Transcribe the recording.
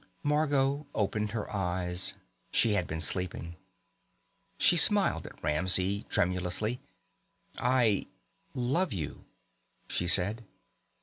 Margot opened her eyes. She had been sleeping. She smiled at Ramsey tremulously. "I love you," she said.